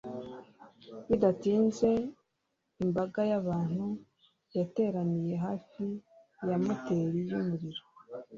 Bidatinze imbaga y'abantu yateraniye hafi ya moteri yumuriro.